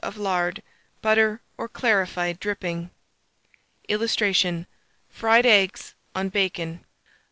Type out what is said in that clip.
of lard, butter or clarified dripping. [Illustration: FRIED EGGS ON BACON.